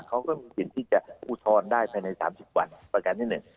เขาก็มีสิทธิ์ที่จะอุทธรณ์ได้ภายใน๓๐วันประการที่หนึ่ง